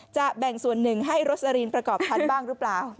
แบ่งส่วนหนึ่งให้โรสลินประกอบทันบ้างหรือเปล่า